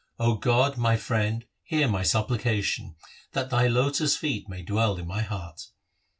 O God, my Friend, hear my supplication, That Thy lotus feet may dwell in my heart.